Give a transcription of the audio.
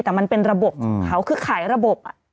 แต่มันเป็นระบบของเขาคือขายระบบ